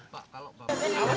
pak kalau pak